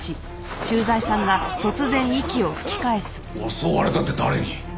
襲われたって誰に？